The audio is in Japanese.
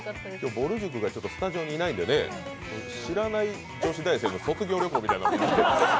ぼる塾がスタジオにいないので知らない女子大生の卒業旅行みたいな。